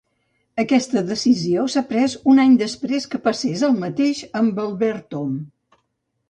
Aquesta decisió s'ha pres un any després que passés el mateix amb Albert Om.